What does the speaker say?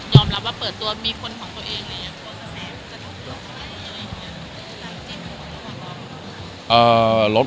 คุณสัมผัสดีครับ